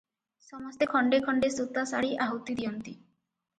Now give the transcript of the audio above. ସମସ୍ତେ ଖଣ୍ଡେ ଖଣ୍ଡେ ସୂତା ଶାଢ଼ୀ ଆହୁତି ଦିଅନ୍ତି ।